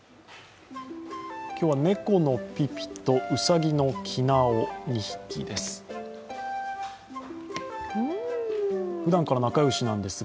今日は猫のピピとうさぎのきなお、２匹です。